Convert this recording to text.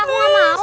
aku gak mau